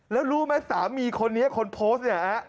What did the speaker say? แล้วรู้ไหมสามีคนนี้คนโพสต์เนี่ย